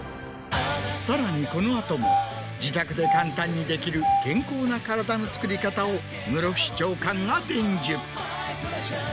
さらにこの後も自宅で簡単にできる健康な体のつくり方を室伏長官が伝授。